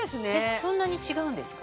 そんなに違うんですか